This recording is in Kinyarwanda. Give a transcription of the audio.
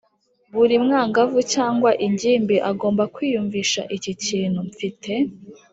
Buri mwangavu cyangwa ingimbi agomba kwiyumvisha iki kintu: “Mfite